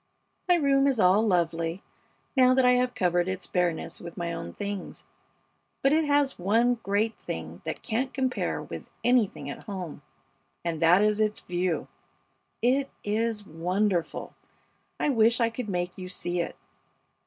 My room is all lovely, now that I have covered its bareness with my own things, but it has one great thing that can't compare with anything at home, and that is its view. It is wonderful! I wish I could make you see it.